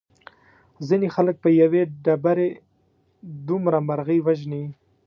ځینې خلک په یوې ډبرې دوه مرغۍ وژني.